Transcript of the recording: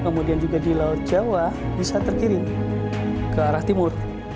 kemudian juga di laut jawa bisa terkirim ke arah timur